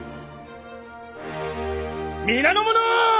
皆の者！